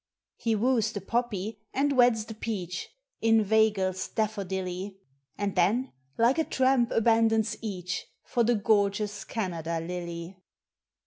He woos the Poppy and weds the Peach, Inveigles Daffodilly, And then like a tramp abandons each For the gorgeous Canada Lily.